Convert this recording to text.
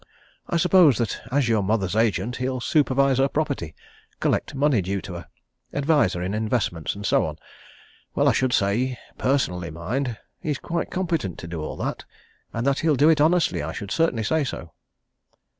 I suppose that as your mother's agent, he'll supervise her property, collect money due to her, advise her in investments, and so on. Well, I should say personally, mind he's quite competent to do all that, and that he'll do it honestly, I should certainly say so."